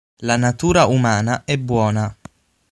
La natura umana è buona.